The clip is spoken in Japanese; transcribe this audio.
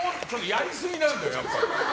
やりすぎなんだよ、やっぱり。